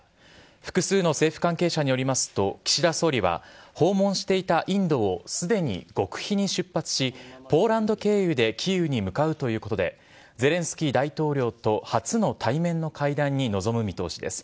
複数の政府関係者によりますと、岸田総理は、訪問していたインドをすでに極秘に出発し、ポーランド経由でキーウに向かうということで、ゼレンスキー大統領と初の対面の会談に臨む見通しです。